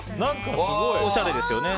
おしゃれですよね。